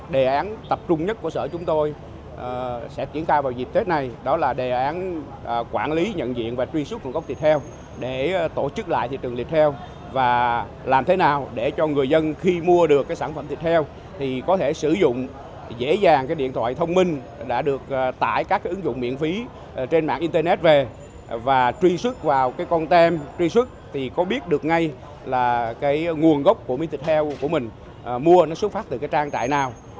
đề án tập trung nhất của sở chúng tôi sẽ triển khai vào dịp tết này đó là đề án quản lý nhận diện và truy xuất nguồn gốc thịt heo để tổ chức lại thị trường lịch heo và làm thế nào để cho người dân khi mua được sản phẩm thịt heo thì có thể sử dụng dễ dàng cái điện thoại thông minh đã được tải các ứng dụng miễn phí trên mạng internet về và truy xuất vào cái con tem truy xuất thì có biết được ngay là cái nguồn gốc của miếng thịt heo của mình mua nó xuất phát từ cái trang trại nào